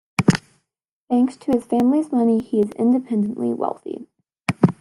Thanks to his family's money, he is independently wealthy.